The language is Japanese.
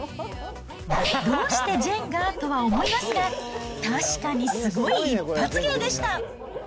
どうしてジェンガ？とは思いますが、確かにすごい一発芸でした。